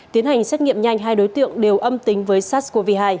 tiến hành xét nghiệm nhanh hai đối tượng đều âm tính với sars cov hai